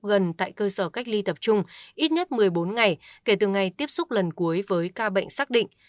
gần tại cơ sở cách ly tập trung ít nhất một mươi bốn ngày kể từ ngày tiếp xúc lần cuối với ca bệnh xác định